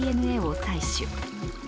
ＤＮＡを採取。